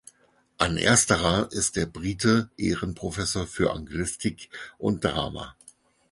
An ersterer ist der Brite Ehrenprofessor für Anglistik und Drama.